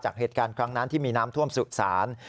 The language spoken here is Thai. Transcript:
เหตุการณ์ครั้งนั้นที่มีน้ำท่วมสุสาน